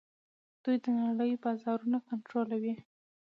دوی د نړۍ بازارونه کنټرولوي.